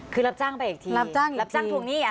คือรับจ้างไปอีกทีรับจ้างทวงหนี้